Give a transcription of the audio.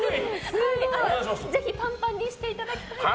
ぜひ、パンパンにしていただきたいです。